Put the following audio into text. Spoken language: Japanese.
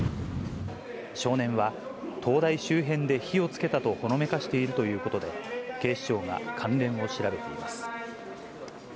少年は、東大周辺で火をつけたとほのめかしているということで、警視庁が関連を調べています。